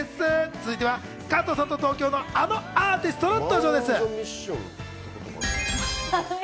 続いては加藤さんと同郷のあのアーティストの登場です。